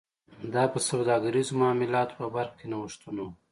دا په سوداګریزو معاملاتو په برخه کې نوښتونه و